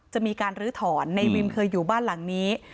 จะมีการลื้อถอนในวิมเคยอยู่บ้านหลังนี้